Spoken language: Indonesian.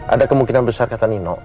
ada kemungkinan besar kata nino